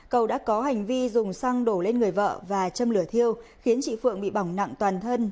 cầu đã có hành vi dùng xăng đổ lên người vợ và châm lửa thiêu khiến chị phượng bị bỏng nặng toàn thân